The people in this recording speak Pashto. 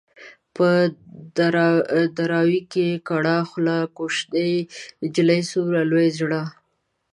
په دراوۍ کې را کړه خوله ـ کوشنۍ نجلۍ څومره لوی زړه